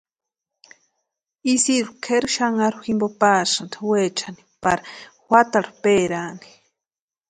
Isidru kʼeri xanharu jimpo pasïnti weechani pari juatarhu péraani.